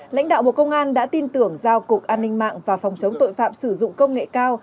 lãnh đạo bộ công an đã tin tưởng giao cục an ninh mạng và phòng chống tội phạm sử dụng công nghệ cao